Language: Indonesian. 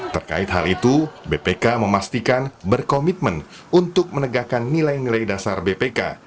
terkait hal itu bpk memastikan berkomitmen untuk menegakkan nilai nilai dasar bpk